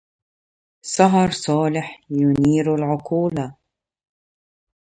سهر صالح ينير العقولا